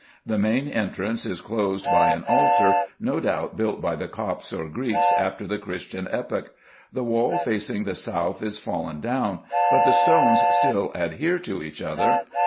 The main entrance is closed by an altar, no doubt built by the Copts or Greeks after the christian epoch. The wall facing the south is fallen down, but the stones still adhere to each other.